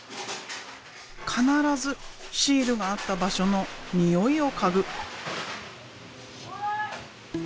必ずシールがあった場所の匂いを嗅ぐ。